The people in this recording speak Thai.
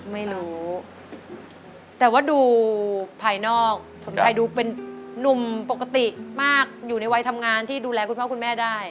ไม่รู้แต่ว่าดูภายนอกสมชายดูเป็นนุ่มปกติมากอยู่ในวัยทำงานที่ดูแลคุณพ่อคุณแม่ได้